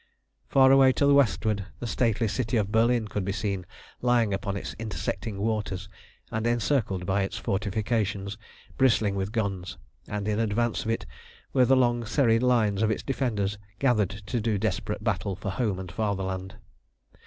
Far away to the westward the stately city of Berlin could be seen lying upon its intersecting waters, and encircled by its fortifications bristling with guns, and in advance of it were the long serried lines of its defenders gathered to do desperate battle for home and fatherland.